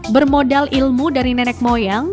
bermodal ilmu dari nenek moyang